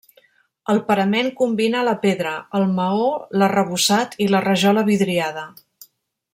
El parament combina la pedra, el maó l'arrebossat i la rajola vidriada.